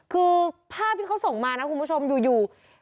คือภาพที่เขาส่งมานะคุณผู้ชมอยู่